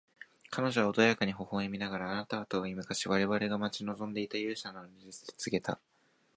彼女は穏やかに微笑みながら、「あなたは遠い昔、我々が待ち望んでいた勇者なのです」と告げた。